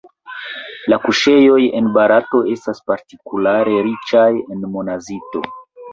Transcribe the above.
La kuŝejoj en Barato estas partikulare riĉaj en monazito.